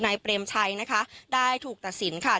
เปรมชัยนะคะได้ถูกตัดสินค่ะ